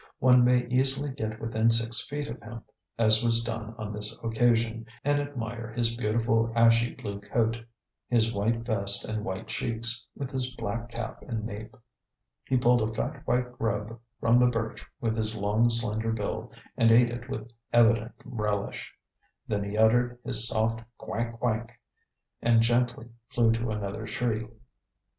One may easily get within six feet of him, as was done on this occasion, and admire his beautiful ashy blue coat, his white vest and white cheeks, with his black cap and nape. He pulled a fat white grub from the birch with his long, slender bill and ate it with evident relish. Then he uttered his soft "quank, quank" and gently flew to another tree.